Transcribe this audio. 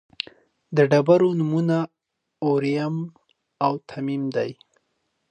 د ډبرو نومونه اوریم او تمیم دي.